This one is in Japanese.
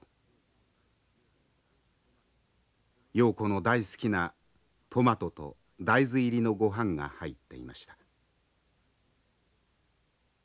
瑤子の大好きなトマトと大豆入りのごはんが入っていました。